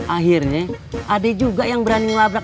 akhirnya ada juga yang berani ngelabrak